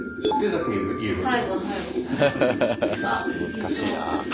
難しいなぁ。